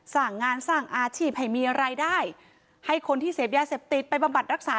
สร้างงานสร้างอาชีพให้มีรายได้ให้คนที่เสพยาเสพติดไปบำบัดรักษา